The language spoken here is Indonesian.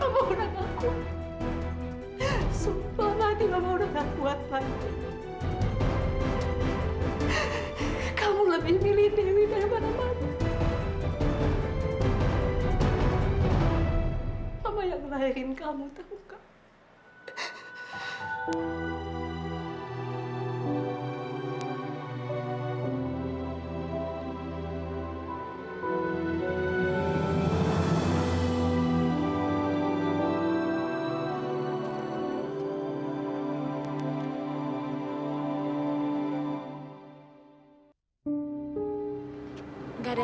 mama yang melahirin kamu tau gak